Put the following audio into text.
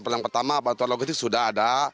yang pertama bantuan logistik sudah ada